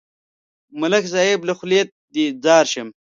ملک صاحب، له خولې دې ځار شم.